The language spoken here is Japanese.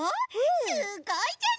すごいじゃない！